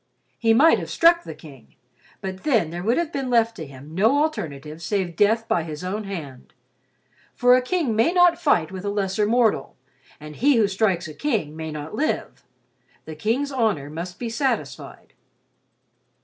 He might have struck the King, but then there would have been left to him no alternative save death by his own hand; for a king may not fight with a lesser mortal, and he who strikes a king may not live—the king's honor must be satisfied.